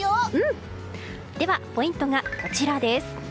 ポイントがこちらです。